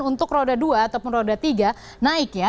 untuk roda dua ataupun roda tiga naik ya